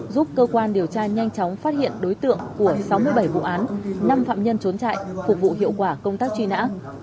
giúp cơ quan điều tra nhanh chóng phát hiện đối tượng của sáu mươi bảy vụ án năm phạm nhân trốn trại phục vụ hiệu quả công tác truy nã